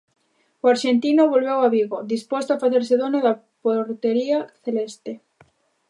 O arxentino volveu a Vigo, disposto a facerse dono da portería celeste.